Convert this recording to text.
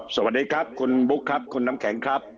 สวัสดีครับคุณบุ๊คครับคุณน้ำแข็งครับ